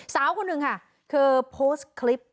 สาวคนหนึ่งค่ะเธอโพสต์คลิป